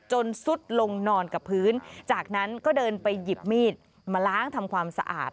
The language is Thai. ซุดลงนอนกับพื้นจากนั้นก็เดินไปหยิบมีดมาล้างทำความสะอาด